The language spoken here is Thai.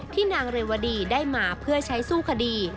นางเรวดีได้มาเพื่อใช้สู้คดี